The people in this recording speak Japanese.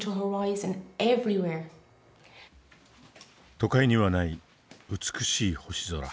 都会にはない美しい星空。